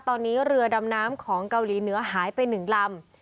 ตอนนี้เรือดำน้ำของเกาหลีเหนือหายไป๑ลำ